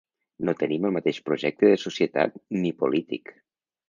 No tenim el mateix projecte de societat, ni polític.